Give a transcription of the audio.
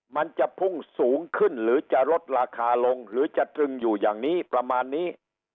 มันจะพุ่งสูงขึ้นหรือจะลดราคาลงหรือจะตรึงอยู่อย่างนี้ประมาณนี้